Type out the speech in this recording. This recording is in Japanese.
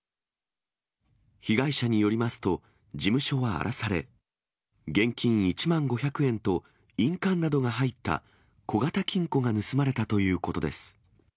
被害者によりますと、事務所は荒らされ、現金１万５００円と、印鑑などが入った小型金庫が盗まれたということです。